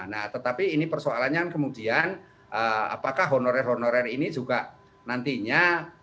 nah tetapi ini persoalannya kemudian apakah honorer honorer ini juga nantinya